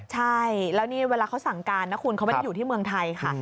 ใช่แล้วนี่เวลาเขาสั่งการนะคุณเขาไม่ได้อยู่ที่เมืองไทยค่ะ